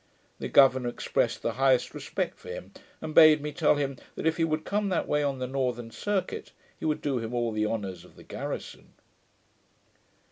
The governour expressed the highest respect for him, and bade me tell him, that, if he would come that way on the northern circuit, he would do him all the honours of the garrison.